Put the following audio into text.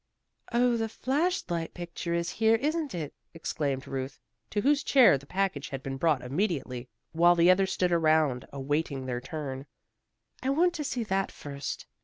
"Oh, the flash light picture is here, isn't it?" exclaimed Ruth, to whose chair the package had been brought immediately, while the others stood around awaiting their turn. "I want to see that first."